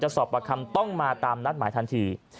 สอบประคำต้องมาตามนัดหมายทันที